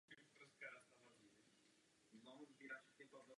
Maloval také oltářní obrazy a portréty.